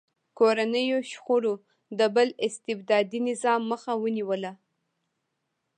کورنیو شخړو د بل استبدادي نظام مخه ونیوله.